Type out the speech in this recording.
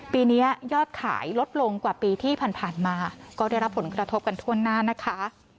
ปีนี้ยอดขายลดลงกว่าปีที่ผ่านมาก็ได้รับผลกระทบกันทั่วหน้านะคะ